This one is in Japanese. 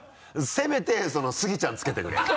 せめてスギちゃんつけてくれよ。